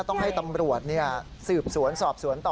ต้องให้ตำรวจสืบสวนสอบสวนต่อ